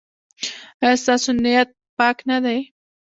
ایا ستاسو نیت پاک نه دی؟